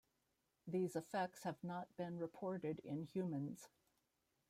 These effects have not been reported in humans.